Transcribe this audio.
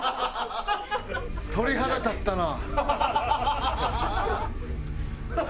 鳥肌立ったな。